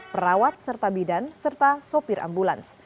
perawat serta bidan serta sopir ambulans